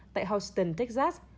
tại houston texas